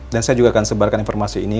saya juga akan sebarkan informasi ini